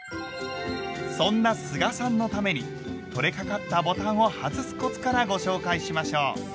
そんな須賀さんのために取れかかったボタンを外すコツからご紹介しましょう。